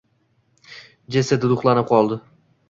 Jessi duduqlanib qoldi